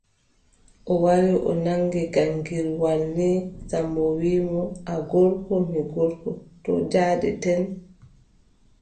O wari o naŋgi gaŋgirwal nii, Sammbo wiʼi mo : a gorko, mi gorko, toy njaadeten ?